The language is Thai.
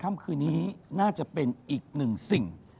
พี่นี่ครับทีนี้น่าจะเป็นอีกหนึ่งสิ่ง